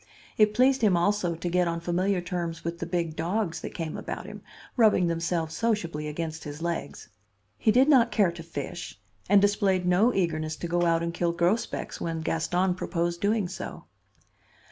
It pleased him also to get on familiar terms with the big dogs that came about him, rubbing themselves sociably against his legs. He did not care to fish, and displayed no eagerness to go out and kill grosbecs when Gaston proposed doing so.